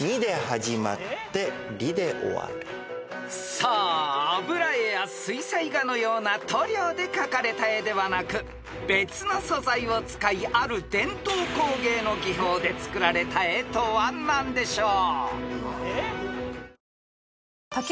［さあ油絵や水彩画のような塗料で描かれた絵ではなく別の素材を使いある伝統工芸の技法で作られた絵とは何でしょう？］